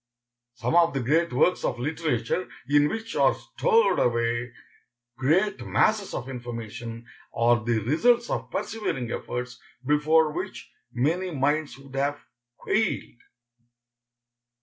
Some of the great works of literature, in which are stored away great masses of information, are the results of persevering efforts, before which many minds would have quailed.